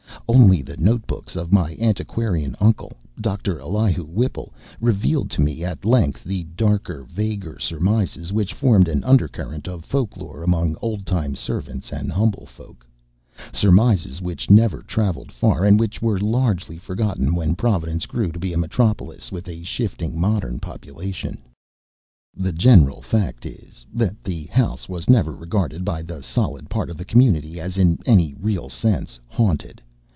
Only the notebooks of my antiquarian uncle, Doctor Elihu Whipple, revealed to me at length the darker, vaguer surmises which formed an undercurrent of folklore among old time servants and humble folk; surmises which never travelled far, and which were largely forgotten when Providence grew to be a metropolis with a shifting modern population. The general fact is, that the house was never regarded by the solid part of the community as in any real sense "haunted."